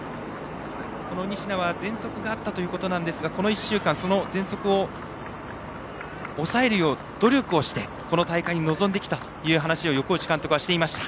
仁科はぜん息があったということですがこの１週間ぜん息を抑えるよう努力をしてこの大会に臨んできたという話を監督はしていました。